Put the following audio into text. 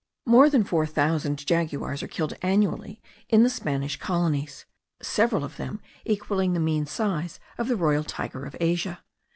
More than four thousand jaguars are killed annually in the Spanish colonies, several of them equalling the mean size of the royal tiger of Asia.